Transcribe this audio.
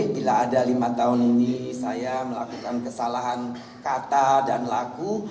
bila ada lima tahun ini saya melakukan kesalahan kata dan laku